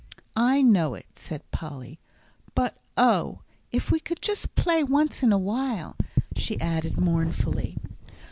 "I know it," said Polly; "but oh, if we could just play once in a while," she added mournfully.